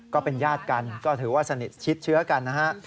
ก็เป็นญาติกันก็ถือว่าสนิทชิดเชื้อกันนะฮะ